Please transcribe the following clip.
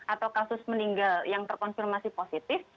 atau kasus meninggal yang terkonfirmasi positif